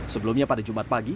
sebelumnya pada jumat pagi